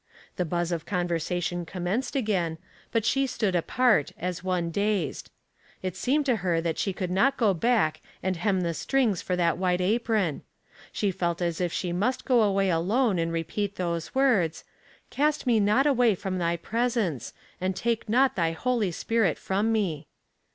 The buzz of conversation commenced again, but she stood apart, as one dazed. It seemed to her that she could not go back and hem the strings for that white apron ; she felt as if she must go away alone and repeat those words, " Cast me not away from thy presence ; and take not thy Holy Spirit from me."